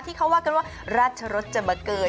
ที่เขาว่ากันว่าราชรสจะมาเกิด